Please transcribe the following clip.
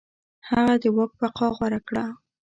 هغه د واک بقا غوره کړه.